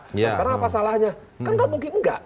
sekarang apa salahnya kan gak mungkin enggak